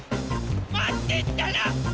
まってったら！